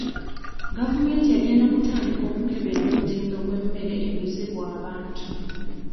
Gavumenti egenda kutandika okukebera mutindo gw'emmere eguzibwa abantu.